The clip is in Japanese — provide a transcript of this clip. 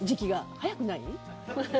早くない？